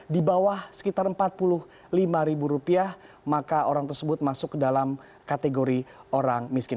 di bawah sekitar empat puluh lima ribu rupiah maka orang tersebut masuk ke dalam kategori orang miskin